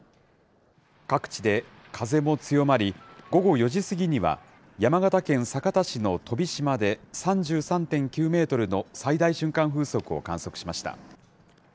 各地で風も強まり、午後４時過ぎには、山形県酒田市の飛島で３３．９メートルの最大瞬間風速を観測しました。